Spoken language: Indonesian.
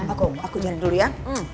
aku jalan dulu ya